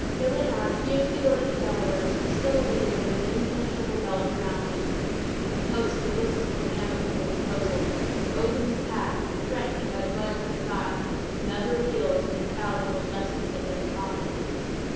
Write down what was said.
Le Renard fiercely ordered the Delawares, who still lingered in an impenetrable belt around him, in hopes he would listen to the amicable proposal, to open his path, threatening, by the glance of his eye, another appeal to the infallible justice of their "prophet."